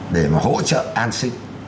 để mà hỗ trợ an sinh